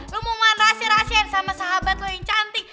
lo mau main rahasia rahasiain sama sahabat lo yang cantik